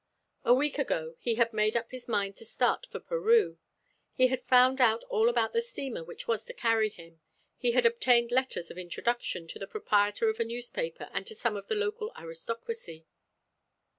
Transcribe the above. A week ago he had made up his mind to start for Peru. He had found out all about the steamer which was to carry him. He had obtained letters of introduction to the proprietor of a newspaper, and to some of the local aristocracy.